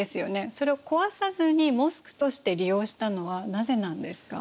それを壊さずにモスクとして利用したのはなぜなんですか？